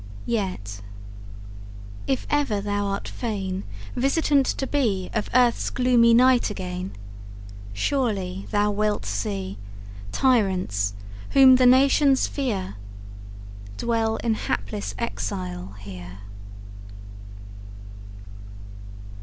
Yet if ever thou art fain Visitant to be Of earth's gloomy night again, Surely thou wilt see Tyrants whom the nations fear Dwell in hapless exile here.